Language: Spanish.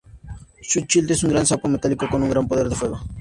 Su Child es un gran sapo metálico con un gran poder de fuego.